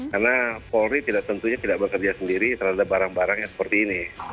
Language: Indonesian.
karena polri tidak tentunya tidak bekerja sendiri terhadap barang barangnya seperti ini